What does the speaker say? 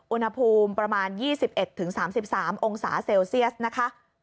อุณหภูมิประมาณ๒๑๓๓องศาเซลเซียสนะคะ